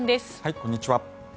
こんにちは。